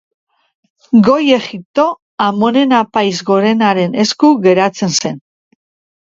Goi Egipto, Amonen Apaiz Gorenaren esku geratzen zen.